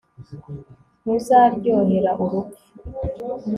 ntuzaryohera urupfu